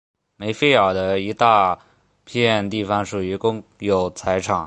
梅费尔的一大片地方属于公有财产。